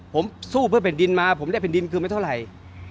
ผมสู้เพื่อแผ่นดินมาผมได้แผ่นดินคือไม่เท่าไหร่